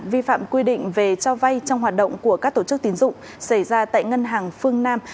vi phạm quy định về cho vay trong hoạt động của các tổ chức tiến dụng xảy ra tại ngân hàng phương nam